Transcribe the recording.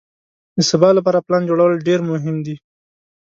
د سبا لپاره پلان جوړول ډېر مهم دي.